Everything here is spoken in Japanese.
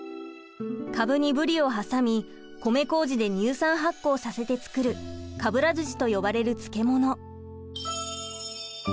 カブにブリを挟み米こうじで乳酸発酵させて作るかぶら寿司と呼ばれる漬物。